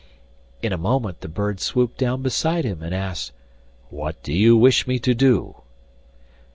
In a moment the bird swooped down beside him and asked: 'What do you wish me to do?